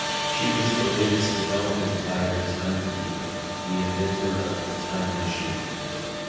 She was the latest development by The Timekeeper, the inventor of the Time Machine.